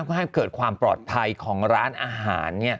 เพื่อให้เกิดความปลอดภัยของร้านอาหาร